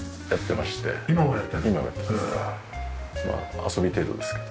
まあ遊び程度ですけど。